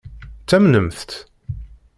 Ttamnent-t?